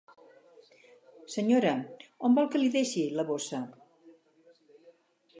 Senyora, on vol que li deixi la bossa?